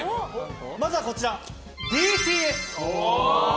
まずはこちら、ＢＴＳ。